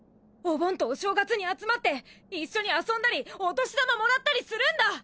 お盆とお正月に集まって一緒に遊んだりお年玉もらったりするんだ！